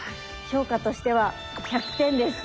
評価としては１００点です。